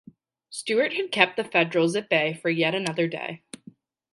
Stuart had kept the Federals at bay for yet another day.